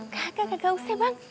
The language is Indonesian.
kagak kagak usah bang